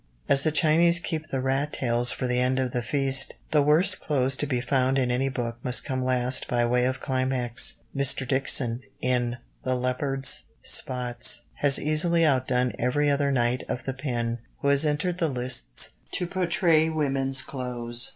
As the Chinese keep the rat tails for the end of the feast, the worst clothes to be found in any book must come last by way of climax. Mr. Dixon, in The Leopard's Spots, has easily outdone every other knight of the pen who has entered the lists to portray women's clothes.